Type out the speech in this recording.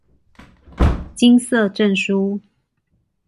金色證書